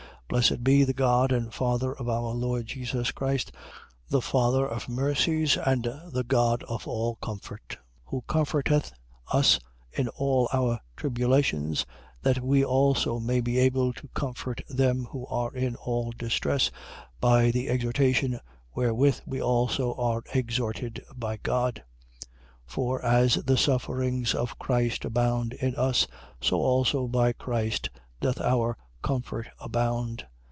1:3. Blessed be the God and Father of our Lord Jesus Christ, the Father of mercies and the God of all comfort: 1:4. Who comforteth us in all our tribulation, that we also may be able to comfort them who are in all distress, by the exhortation wherewith we also are exhorted by God. 1:5. For as the sufferings of Christ abound in us: so also by Christ doth our comfort abound.